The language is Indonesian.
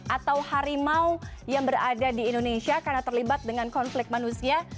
atau harimau yang berada di indonesia karena terlibat dengan konflik manusia